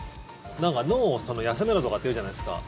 なんか脳を休めろとかって言うじゃないですか。